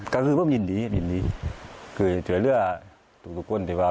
ก็คือว่ามันยินดีคือจะเจ๋วเรื่องทุกคนที่ว่า